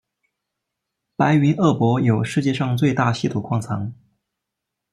白云鄂博有世界上最大稀土矿藏。